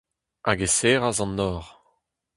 Hag e serras an nor.